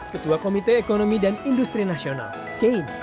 ketua komite ekonomi dan industri nasional kein